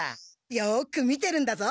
よく見てるんだぞ。